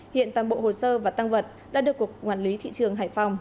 hiện toàn bộ hồ sơ và tăng vật đã được cục quản lý thị trường hải phòng